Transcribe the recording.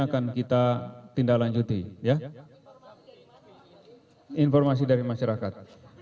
akan kita tindaklanjuti ya informasi dari masyarakat